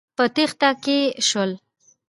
په تېښته کې شول.